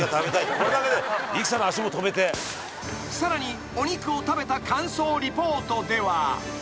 ［さらにお肉を食べた感想リポートでは］